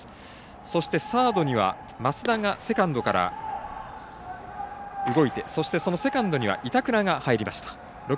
そしてサードには増田がセカンドから動いてそして、セカンドには板倉が入りました。